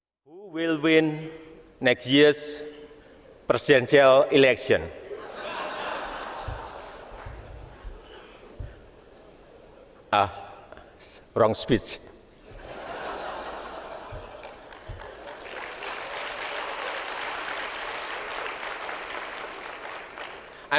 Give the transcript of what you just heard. jokowi menolak dengan mengucapkan maaf untuk pembicaraan yang salah